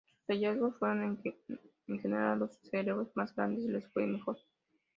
Sus hallazgos fueron que, en general, a los cerebros más grandes les fue mejor.